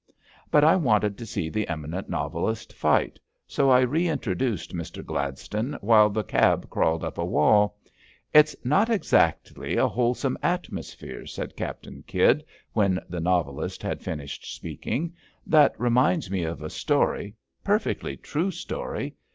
But I wanted to see the eminent novelist fight, so I reintroduced Mister Gladstone while the cab crawled up a wall. It's not exactly a wholesome atmosphere," said Captain Kydd when the novelist had finished speaking. That reminds me of a story — ^per fectly true story.